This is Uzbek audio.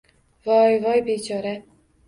Voy... Voy bechora!